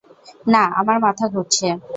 না, আমার মাথা ঘুরছে।